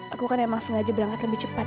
aku kan emang sengaja berangkat lebih cepat